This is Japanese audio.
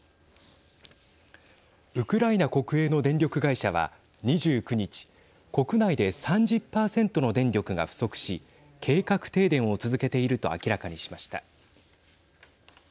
ウクライナ国営の電力会社は２９日国内で３０％の電力が不足し計画停電を続けていると明らかにしました。